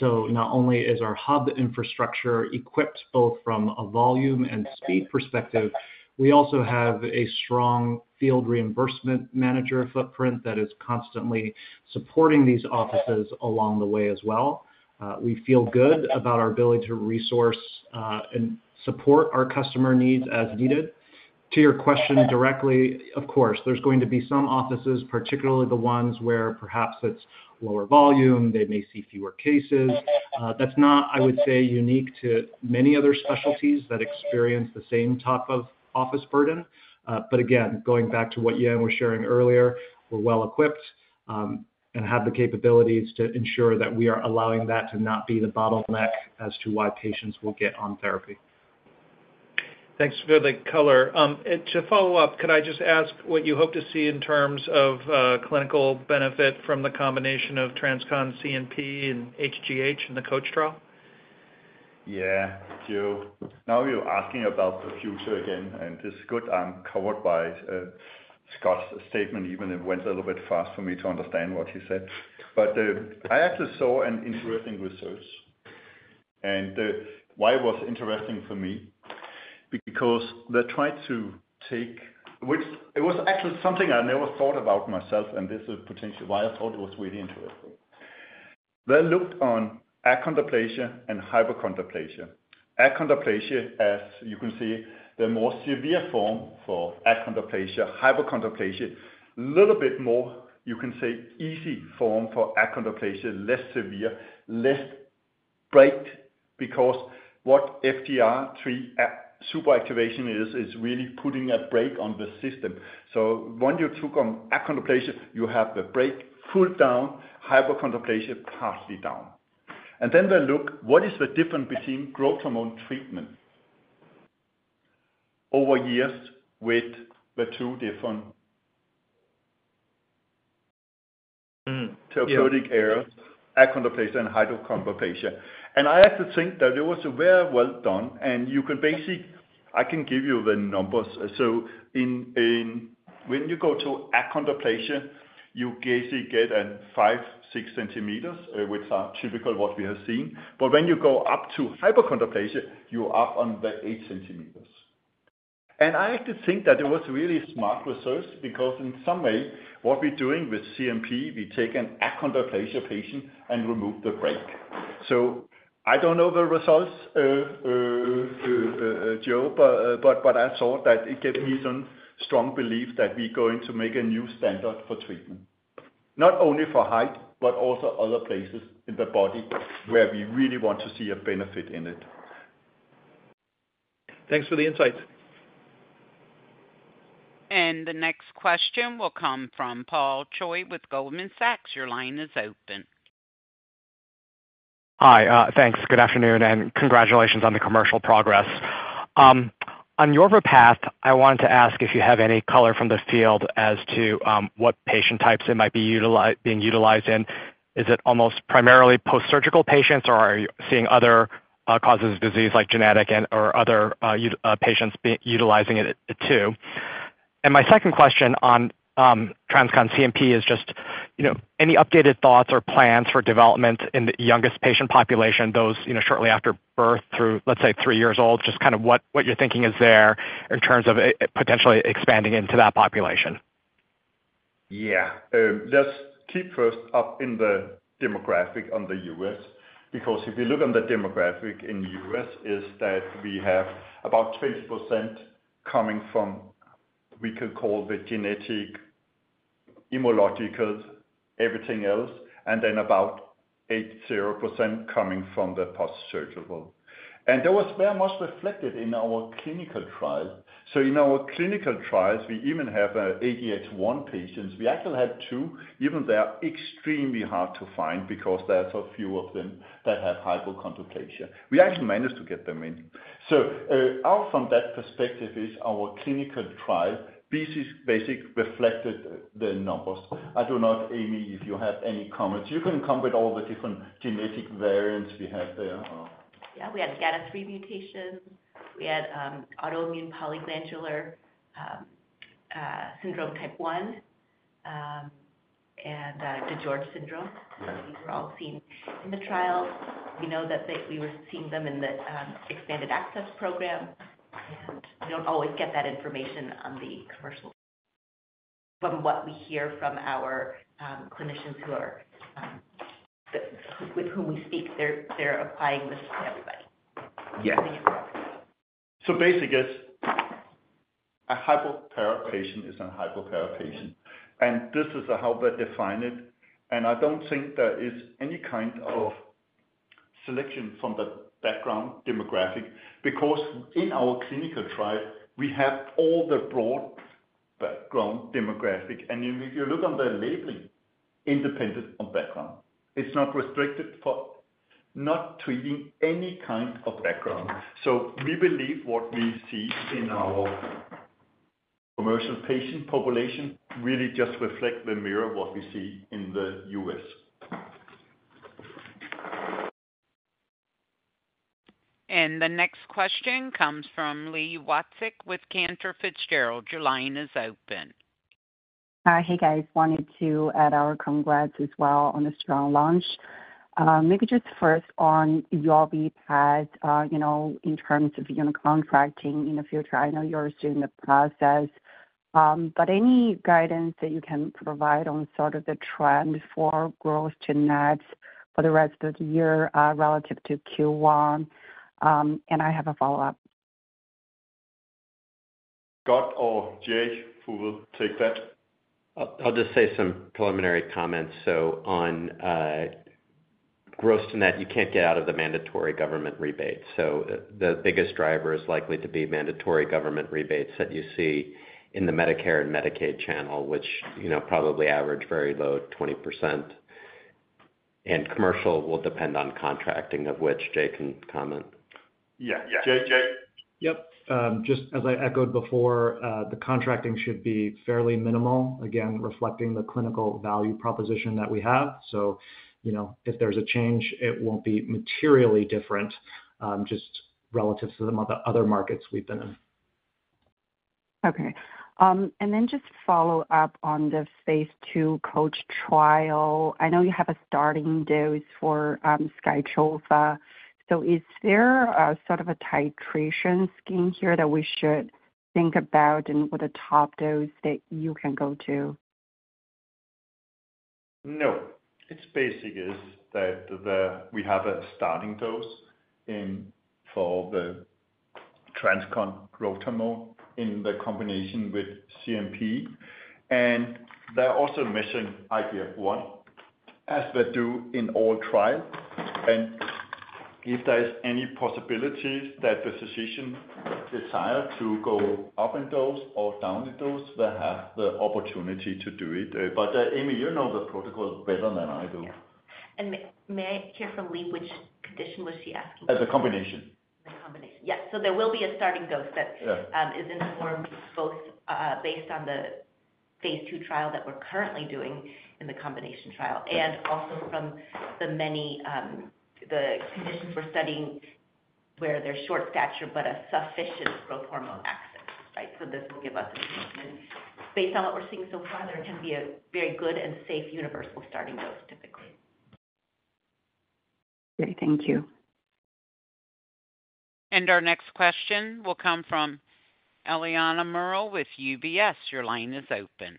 Not only is our hub infrastructure equipped both from a volume and speed perspective, we also have a strong field reimbursement manager footprint that is constantly supporting these offices along the way as well. We feel good about our ability to resource and support our customer needs as needed. To your question directly, of course, there is going to be some offices, particularly the ones where perhaps it is lower volume, they may see fewer cases. That is not, I would say, unique to many other specialties that experience the same type of office burden. Again, going back to what Jan was sharing earlier, we are well-equipped and have the capabilities to ensure that we are allowing that to not be the bottleneck as to why patients will get on therapy. Thanks for the color. To follow up, could I just ask what you hope to see in terms of clinical benefit from the combination of TransCon CNP and HGH and the COACH trial? Yeah. Joe, now you're asking about the future again. This is good. I'm covered by Scott's statement, even if it went a little bit fast for me to understand what he said. I actually saw an interesting research. Why it was interesting for me? Because they tried to take, which was actually something I never thought about myself, and this is potentially why I thought it was really interesting. They looked on achondroplasia and hypochondroplasia. Achondroplasia, as you can see, the more severe form for achondroplasia. Hypochondroplasia, a little bit more, you can say, easy form for achondroplasia, less severe, less brake because what FGFR3 superactivation is, is really putting a brake on the system. When you took on achondroplasia, you have the brake pulled down, hypochondroplasia partly down. They looked at what is the difference between growth hormone treatment over years with the two different therapeutic areas, achondroplasia and hypochondroplasia. I actually think that it was very well done. You can basically, I can give you the numbers. When you go to achondroplasia, you basically get 5 cm-6 cm, which are typical what we have seen. When you go up to hypochondroplasia, you are on the 8 cm. I actually think that it was really smart research because in some way, what we're doing with CNP, we take an achondroplasia patient and remove the brake. I don't know the results, Joe, but I thought that it gave me some strong belief that we're going to make a new standard for treatment, not only for height, but also other places in the body where we really want to see a benefit in it. Thanks for the insight. The next question will come from Paul Choi with Goldman Sachs. Your line is open. Hi. Thanks. Good afternoon. Congratulations on the commercial progress. On Yorvipath, I wanted to ask if you have any color from the field as to what patient types it might be being utilized in. Is it almost primarily post-surgical patients, or are you seeing other causes of disease like genetic or other patients utilizing it too? My second question on TransCon CNP is just any updated thoughts or plans for development in the youngest patient population, those shortly after birth through, let's say, three years old, just kind of what your thinking is there in terms of potentially expanding into that population. Yeah. Let's keep first up in the demographic on the US because if you look on the demographic in the US, it's that we have about 20% coming from, we can call the genetic, immunological, everything else, and then about 80% coming from the post-surgical. That was very much reflected in our clinical trials. In our clinical trials, we even have ADX1 patients. We actually had two, even though they are extremely hard to find because there are so few of them that have hypochondroplasia. We actually managed to get them in. Out from that perspective, our clinical trial basically reflected the numbers. I don't know, Aimee, if you have any comments. You can come with all the different genetic variants we have there. Yeah. We had GATA3 mutation. We had autoimmune polyglandular syndrome type 1 and DiGeorge syndrome. These were all seen in the trial. We know that we were seeing them in the expanded access program. We don't always get that information on the commercial. From what we hear from our clinicians with whom we speak, they're applying this to everybody. Yes. Basically, a hypochondroplasia patient is a hypochondroplasia patient. This is how they define it. I don't think there is any kind of selection from the background demographic because in our clinical trial, we have all the broad background demographic. If you look on the labeling, independent of background, it's not restricted for not treating any kind of background. We believe what we see in our commercial patient population really just reflects the mirror of what we see in the US. The next question comes from Li Watsek with Cantor Fitzgerald. Your line is open. Hey, guys. Wanted to add our congrats as well on the strong launch. Maybe just first on Yorvipath in terms of unicorn tracking in the future. I know you're still in the process. Any guidance that you can provide on sort of the trend for growth to net for the rest of the year relative to Q1? I have a follow-up. Scott or Jay, who will take that? I'll just say some preliminary comments. On growth to net, you can't get out of the mandatory government rebates. The biggest driver is likely to be mandatory government rebates that you see in the Medicare and Medicaid channel, which probably average very low, 20%. Commercial will depend on contracting, of which Jay can comment. Yeah. Jay? Yep. Just as I echoed before, the contracting should be fairly minimal, again, reflecting the clinical value proposition that we have. If there's a change, it won't be materially different just relative to some of the other markets we've been in. Okay. Just follow up on the phase two COACH trial. I know you have a starting dose for Skytrofa. Is there sort of a titration scheme here that we should think about and what the top dose that you can go to? No. It's basically that we have a starting dose for the TransCon Growth Hormone in the combination with CNP. They're also missing IGF1, as they do in all trials. If there's any possibility that the physician decides to go up in dose or down in dose, they have the opportunity to do it. Aimee, you know the protocol better than I do. May I hear from Li which condition was she asking for? The combination. The combination. There will be a starting dose that is informed both based on the phase two trial that we're currently doing in the combination trial and also from the many conditions we're studying where there's short stature, but a sufficient growth hormone access, right? This will give us information. Based on what we're seeing so far, there can be a very good and safe universal starting dose typically. Thank you. Our next question will come from Eliana Merle with UBS. Your line is open.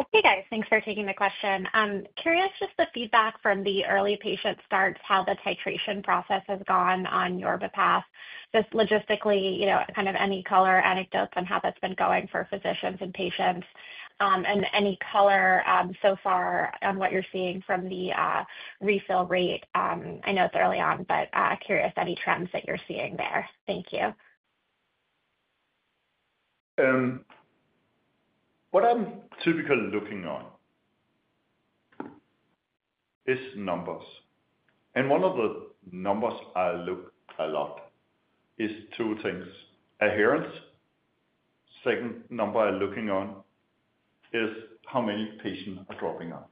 Okay, guys. Thanks for taking the question. Curious just the feedback from the early patient starts, how the titration process has gone on Yorvipath. Just logistically, kind of any color anecdotes on how that's been going for physicians and patients. Any color so far on what you're seeing from the refill rate. I know it's early on, but curious any trends that you're seeing there. Thank you. What I'm typically looking on is numbers. One of the numbers I look a lot is two things. Adherence. Second number I'm looking on is how many patients are dropping out.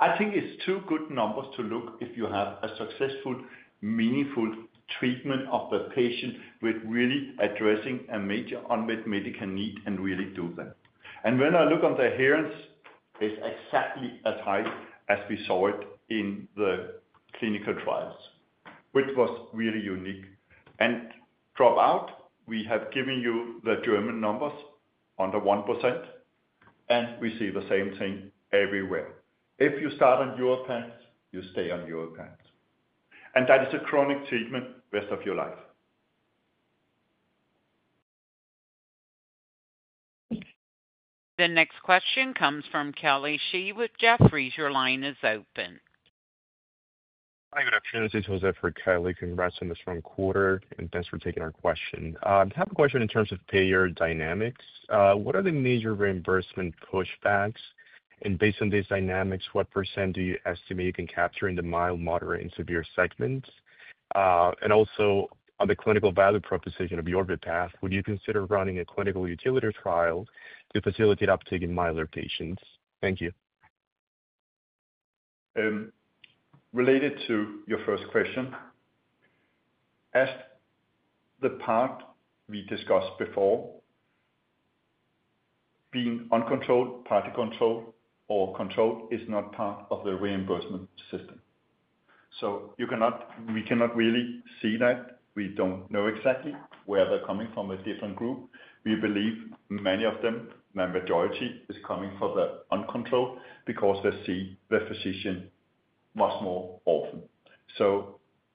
I think it's two good numbers to look if you have a successful, meaningful treatment of the patient with really addressing a major unmet medical need and really do that. When I look on the adherence, it's exactly as high as we saw it in the clinical trials, which was really unique. Dropout, we have given you the German numbers under 1%, and we see the same thing everywhere. If you start on Yorvipath, you stay on Yorvipath. That is a chronic treatment rest of your life. The next question comes from Kelly Shi with Jefferies. Your line is open. Hi, good afternoon. This is Jose for Kelly. Congrats on the strong quarter, and thanks for taking our question. I have a question in terms of payer dynamics. What are the major reimbursement pushbacks? Based on these dynamics, what percent do you estimate you can capture in the mild, moderate, and severe segments? Also, on the clinical value proposition of Yorvipath, would you consider running a clinical utility trial to facilitate uptake in milder patients? Thank you. Related to your first question, as the part we discussed before, being uncontrolled, partly controlled, or controlled is not part of the reimbursement system. We cannot really see that. We do not know exactly where they are coming from, a different group. We believe many of them, the majority, is coming from the uncontrolled because they see the physician much more often.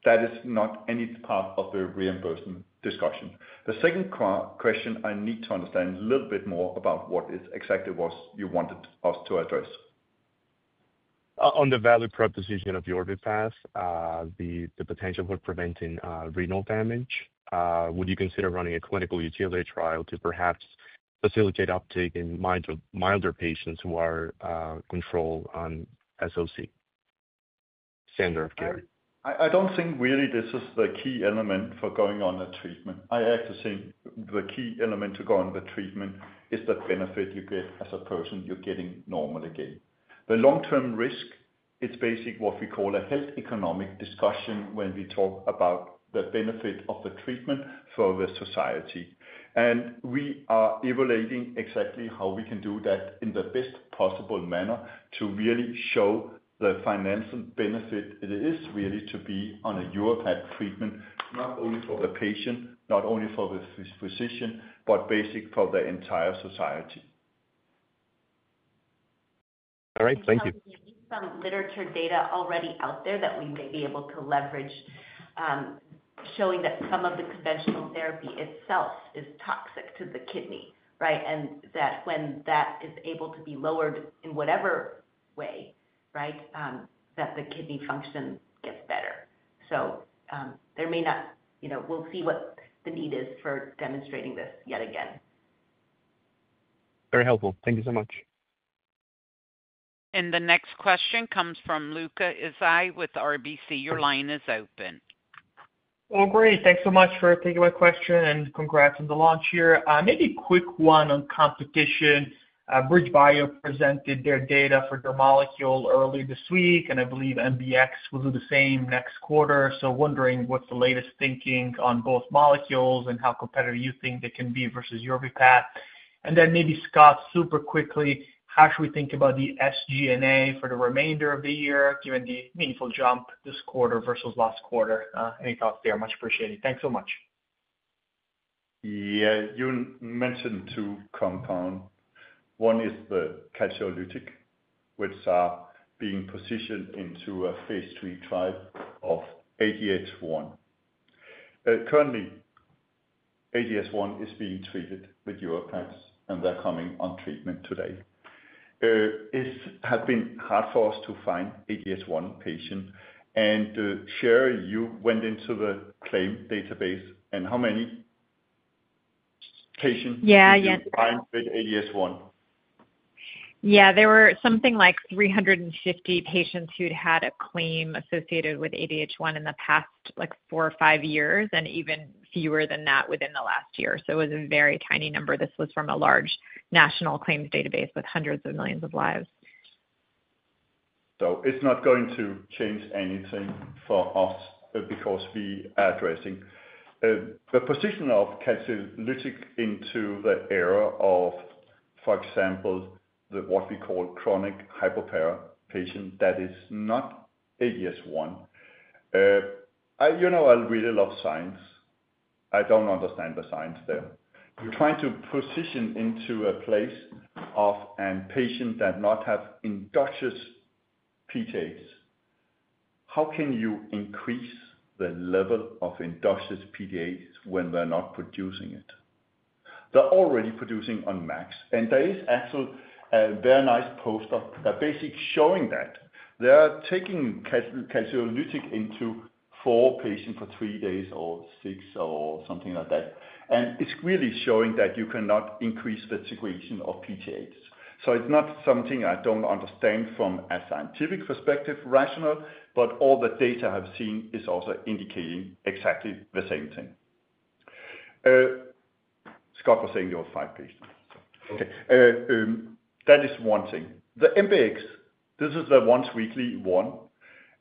That is not any part of the reimbursement discussion. The second question, I need to understand a little bit more about what exactly was you wanted us to address. On the value proposition of Yorvipath, the potential for preventing renal damage, would you consider running a clinical utility trial to perhaps facilitate uptake in milder patients who are controlled on SOC standard of care? I do not think really this is the key element for going on the treatment. I actually think the key element to go on the treatment is the benefit you get as a person. You are getting normal again. The long-term risk, it is basically what we call a health economic discussion when we talk about the benefit of the treatment for the society. We are evaluating exactly how we can do that in the best possible manner to really show the financial benefit it is really to be on a Yorvipath treatment, not only for the patient, not only for the physician, but basically for the entire society. All right. Thank you. We have some literature data already out there that we may be able to leverage showing that some of the conventional therapy itself is toxic to the kidney, right? And that when that is able to be lowered in whatever way, right, that the kidney function gets better. There may not we'll see what the need is for demonstrating this yet again. Very helpful. Thank you so much. The next question comes from Luca Issi with RBC. Your line is open. Great. Thanks so much for taking my question and congrats on the launch here. Maybe a quick one on competition. BridgeBio presented their data for their molecule early this week, and I believe MBX will do the same next quarter. Wondering what's the latest thinking on both molecules and how competitive you think they can be versus Yorvipath. Maybe Scott, super quickly, how should we think about the SG&A for the remainder of the year given the meaningful jump this quarter versus last quarter? Any thoughts there? Much appreciated. Thanks so much. Yeah. You mentioned two compounds. One is the calcilytic, which are being positioned into a phase three trial of ADH1. Currently, ADH1 is being treated with Yorvipath, and they're coming on treatment today. It has been hard for us to find ADH1 patients. And Sherrie, you went into the claim database, and how many patients were you finding with ADH1? Yeah. There were something like 350 patients who'd had a claim associated with ADH1 in the past four or five years and even fewer than that within the last year. It was a very tiny number. This was from a large national claims database with hundreds of millions of lives. It's not going to change anything for us because we are addressing the position of calcilytic into the era of, for example, what we call chronic hypochondroplasia patients that is not ADX1. I read a lot of science. I don't understand the science there. You're trying to position into a place of a patient that does not have endogenous PDAs. How can you increase the level of endogenous PDAs when they're not producing it? They're already producing on max. There is actually a very nice post-op that basically is showing that they are taking calcilytic into four patients for three days or six or something like that. It's really showing that you cannot increase the secretion of PDAs. It's not something I don't understand from a scientific perspective, rational, but all the data I've seen is also indicating exactly the same thing. Scott was saying there were five patients. Okay. That is one thing. The MBX, this is the once-weekly one.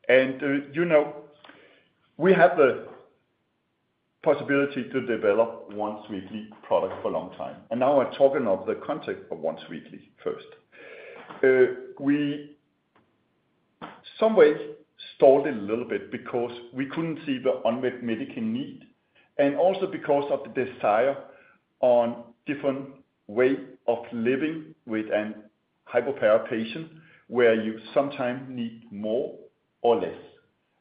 And we have the possibility to develop once-weekly products for a long time. Now we're talking of the concept of once-weekly first. We someway stalled it a little bit because we couldn't see the unmet medical need and also because of the desire on different ways of living with a hypochondroplasia patient where you sometimes need more or less.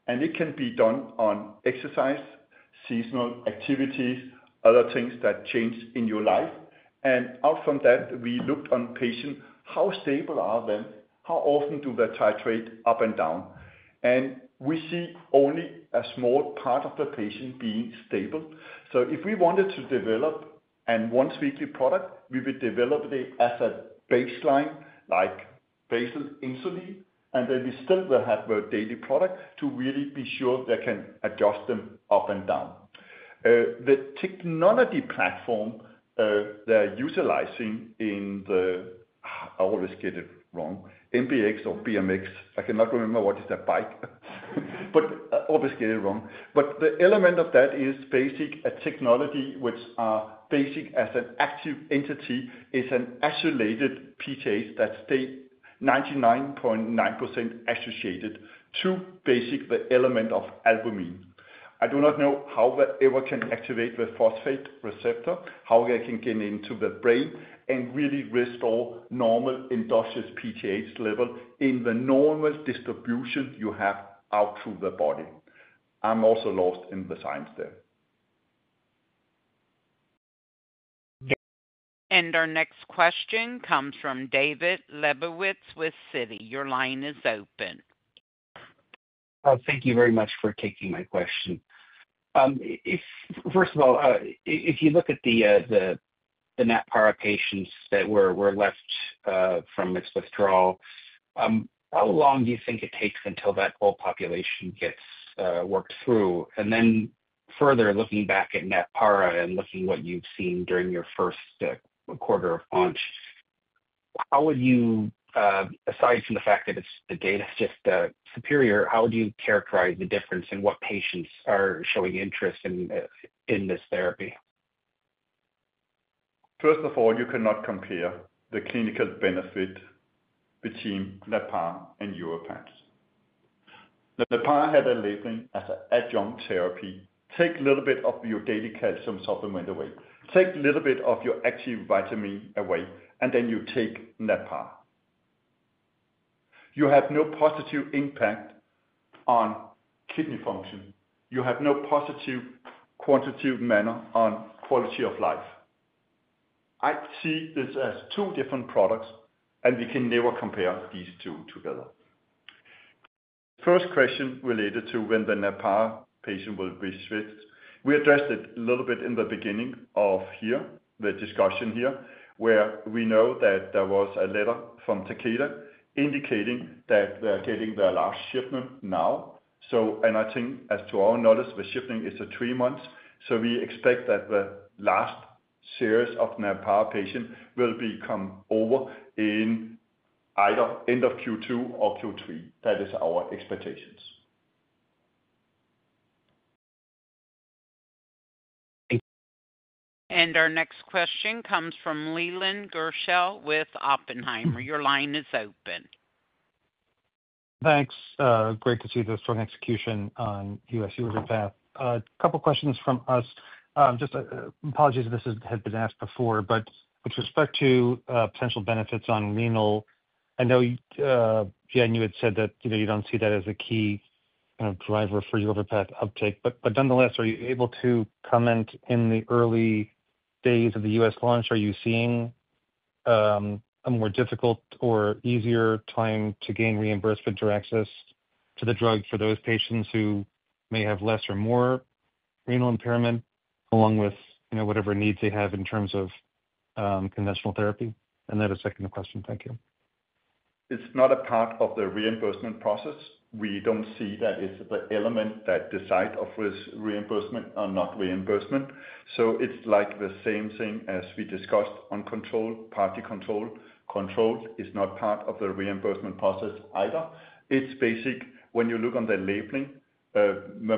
It can be done on exercise, seasonal activities, other things that change in your life. Out from that, we looked on patients, how stable are them? How often do they titrate up and down? We see only a small part of the patient being stable. If we wanted to develop a once-weekly product, we would develop it as a baseline like basal insulin, and then we still will have a daily product to really be sure they can adjust them up and down. The technology platform they're utilizing in the, I always get it wrong, MBX or BMX, I cannot remember what is that bike. I always get it wrong. The element of that is basically a technology which is basic as an active entity, is an isolated PDAs that stay 99.9% associated to basically the element of albumin. I do not know how they ever can activate the phosphate receptor, how they can get into the brain and really restore normal inductious PDAs level in the normal distribution you have out through the body. I'm also lost in the science there. Our next question comes from David Lebowitz with Citi. Your line is open. Thank you very much for taking my question. First of all, if you look at the Natpara patients that were left from its withdrawal, how long do you think it takes until that whole population gets worked through? Further, looking back at Natpara and looking at what you've seen during your first quarter of launch, how would you, aside from the fact that the data is just superior, how would you characterize the difference in what patients are showing interest in this therapy? First of all, you cannot compare the clinical benefit between Natpara and Yorvipath. Natpara had a labeling as an adjunct therapy. Take a little bit of your daily calcium supplement away. Take a little bit of your active vitamin away, and then you take Natpara. You have no positive impact on kidney function. You have no positive quantitative manner on quality of life. I see this as two different products, and we can never compare these two together. First question related to when the Natpara patient will be switched. We addressed it a little bit in the beginning of here, the discussion here, where we know that there was a letter from Takeda indicating that they're getting their last shipment now. I think as to our knowledge, the shipment is three months. We expect that the last series of Natpara patients will come over in either end of Q2 or Q3. That is our expectations. Our next question comes from Leland Gershell with Oppenheimer. Your line is open. Thanks. Great to see the strong execution on US Yorvipath. A couple of questions from us. Just apologies if this has been asked before, but with respect to potential benefits on renal, I know Jan, you had said that you do not see that as a key kind of driver for Yorvipath uptake. Nonetheless, are you able to comment in the early days of the US launch, are you seeing a more difficult or easier time to gain reimbursement or access to the drug for those patients who may have less or more renal impairment along with whatever needs they have in terms of conventional therapy? That is second question. Thank you. It is not a part of the reimbursement process. We do not see that it is the element that decides if it is reimbursement or not reimbursement. It is like the same thing as we discussed on control, partly controlled. Control is not part of the reimbursement process either. It's basic when you look on the labeling,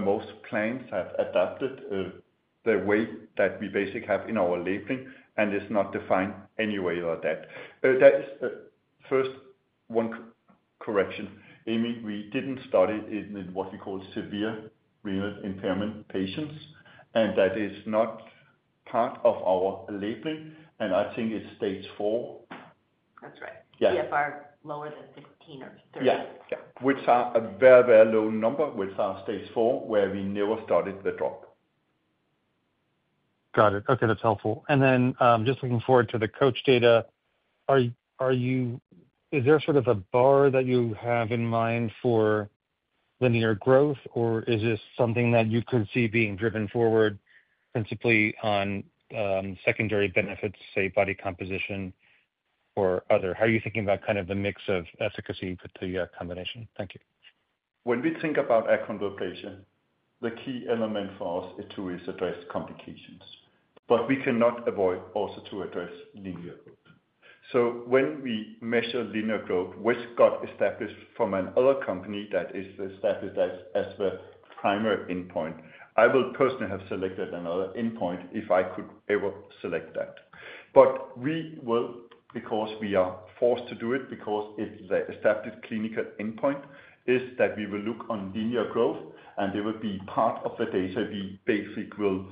most plans have adapted the way that we basically have in our labeling, and it's not defined any way or that. First, one correction. Aimee, we didn't study it in what we call severe renal impairment patients, and that is not part of our labeling. I think it's stage four. That's right. CFR lower than 16 or 30. Yeah. Which are a very, very low number, which are stage four where we never studied the drop. Got it. Okay. That's helpful. Just looking forward to the coach data, is there sort of a bar that you have in mind for linear growth, or is this something that you could see being driven forward principally on secondary benefits, say, body composition or other? How are you thinking about kind of the mix of efficacy with the combination? Thank you. When we think about acronym patients, the key element for us is to address complications, but we cannot avoid also to address linear growth. When we measure linear growth, which got established from another company that is established as the primary endpoint, I will personally have selected another endpoint if I could ever select that. We will, because we are forced to do it, because it is the established clinical endpoint, look on linear growth, and there will be part of the data we basically will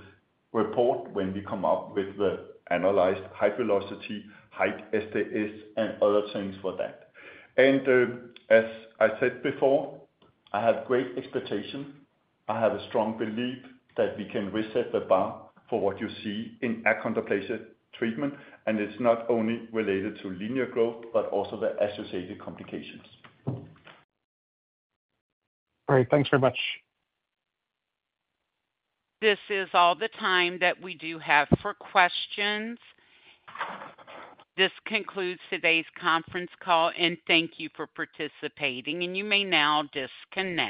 report when we come up with the analyzed height velocity, height SDS, and other things for that. As I said before, I have great expectation. I have a strong belief that we can reset the bar for what you see in acronym patient treatment, and it is not only related to linear growth, but also the associated complications. All right. Thanks very much. This is all the time that we do have for questions. This concludes today's conference call, and thank you for participating. You may now disconnect.